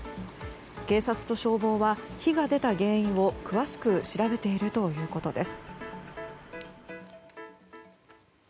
警察と消防は火が出た原因を詳しく調べているということです。